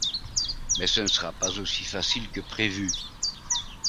Mais ce ne sera pas aussi facile que prévu.